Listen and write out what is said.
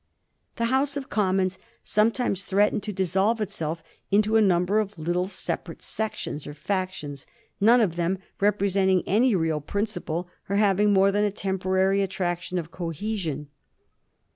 The House of Commons sometimes threatened to dis solve itself into a number of little separate sections or fiictions, none of them representing any real principle or having more than a temporary attraction of cohe sion.